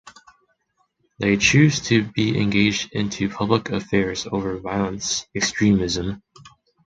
They choose to be engaged into public affairs over violence extremism.